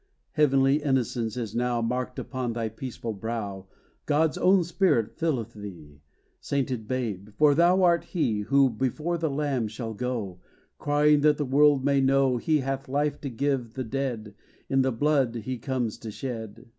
Heavenly innocence is now Marked upon thy peaceful brow: God's own Spirit filleth thee, Sainted babe; for thou art he, Who before the Lamb shall go, Crying, that the world may know He hath life to give the dead, In the blood he comes to shed!